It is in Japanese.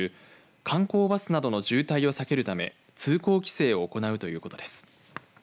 観光バスなどの渋滞を避けるため通行規制を行うということです。